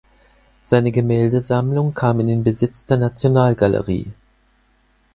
Seine Gemäldesammlung kam in den Besitz der Nationalgalerie.